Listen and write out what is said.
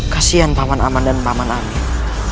kasian paman aman dan paman aman